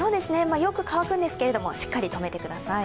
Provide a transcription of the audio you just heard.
よく乾くんですけれどもしっかり止めてください。